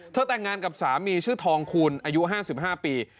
แต่งงานกับสามีชื่อทองคูณอายุ๕๕ปี